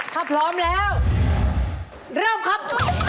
ถ้าพร้อมแล้วเริ่มครับ